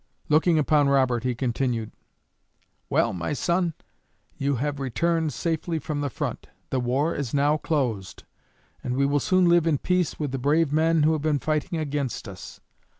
Looking upon Robert, he continued: "Well, my son, you have returned safely from the front. The war is now closed, and we will soon live in peace with the brave men who have been fighting against us.